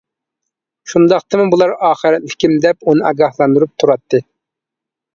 شۇنداقتىمۇ بۇلار ئاخىرەتلىكىم دەپ ئۇنى ئاگاھلاندۇرۇپ تۇراتتى.